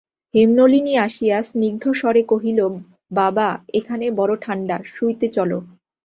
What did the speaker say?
হেমনলিনী আসিয়া সিনগ্ধস্বরে কহিল, বাবা, এখানে বড়ো ঠাণ্ডা, শুইতে চলো।